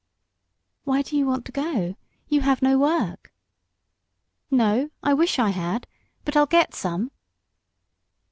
"Why do you want to go? You have no work?" "No; I wish I had. But I'll get some."